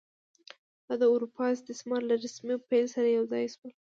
دا د اروپایي استعمار له رسمي پیل سره یو ځای شول.